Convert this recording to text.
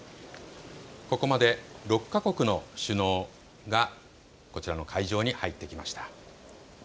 ここまで６か国の首脳がこちらの会場に入ってきました。